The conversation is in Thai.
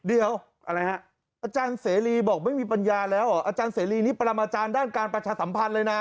เดี๋ยวอะไรฮะอาจารย์เสรีบอกไม่มีปัญญาแล้วเหรออาจารย์เสรีนี่ปรมาจารย์ด้านการประชาสัมพันธ์เลยนะ